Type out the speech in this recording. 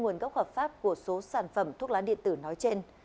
nguồn gốc hợp pháp của số sản phẩm thuốc lá điện tử nói trên